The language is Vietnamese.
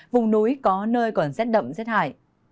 vùng núi có nơi còn rét đậm rét hải